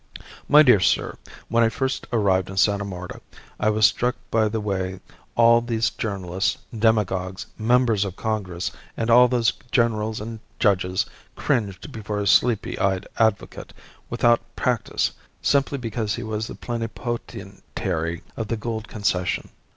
My dear sir, when I first arrived in Sta. Marta I was struck by the way all those journalists, demagogues, members of Congress, and all those generals and judges cringed before a sleepy eyed advocate without practice simply because he was the plenipotentiary of the Gould Concession.